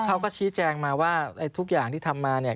เขาก็ชี้แจงมาว่าทุกอย่างที่ทำมาเนี่ย